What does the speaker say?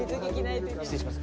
失礼します。